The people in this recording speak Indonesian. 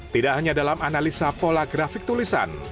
tidak hanya dalam analisa pola grafik tulisan